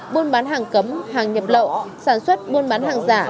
buôn bán hàng cấm hàng nhập lậu sản xuất buôn bán hàng giả